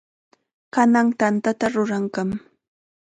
Kanan tantata ruranqam.